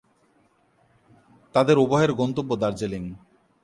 তাদের উভয়ের গন্তব্য দার্জিলিং।